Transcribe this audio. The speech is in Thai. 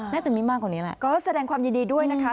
น่าจะมีมากกว่านี้แหละก็แสดงความยินดีด้วยนะคะ